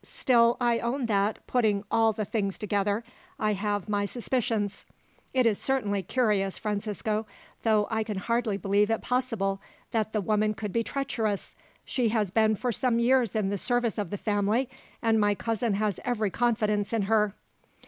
Still I own that, putting all the things together, I have my suspicions." "It is certainly curious, Francisco, though I can hardly believe it possible that the woman could be treacherous. She has been for some years in the service of the family, and my cousin has every confidence in her."